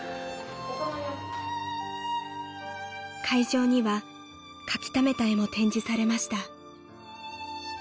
［会場には描きためた絵も展示されました］